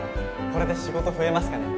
これで仕事増えますかね？